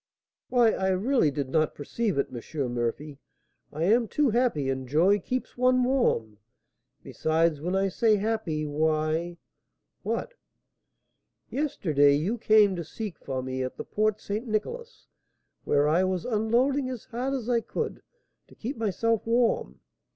"Why, I really did not perceive it, M. Murphy; I am too happy, and joy keeps one warm. Besides, when I say happy, why " "What?" "Yesterday you came to seek for me at the Port St. Nicolas, where I was unloading as hard as I could to keep myself warm.